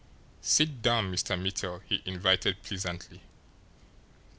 "Sit down, Mr. Mittel," he invited pleasantly.